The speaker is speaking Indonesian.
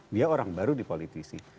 dia orang baru di politisi